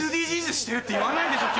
「ＳＤＧｓしてる」って言わないでしょ